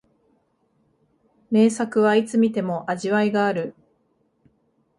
名作はいつ観ても味わいがある